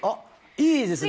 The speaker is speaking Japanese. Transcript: いいですね！